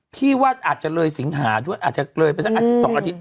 พี่ว่าอาจจะเลยสิงหาด้วยอาจจะเลยไปสักอาทิตย์๒อาทิตย